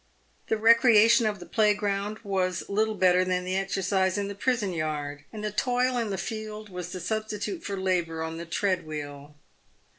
The recreation of the playground was little better than the exercise in the prison yard, and the toil in the field was the substitute for labour on the tread wheel.